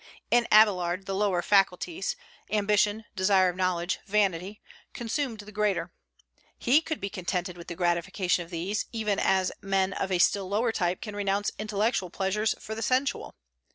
In Abélard the lower faculties ambition, desire of knowledge, vanity consumed the greater. He could be contented with the gratification of these, even as men of a still lower type can renounce intellectual pleasures for the sensual.